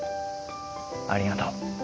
ありがとう。